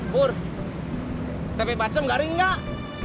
pur tepe bacem garing nggak